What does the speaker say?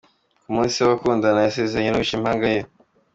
Ku munsi w’abakundana yasezeranye n’uwishe impanga ye